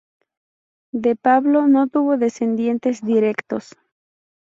De Pablo, no tuvo descendientes directos.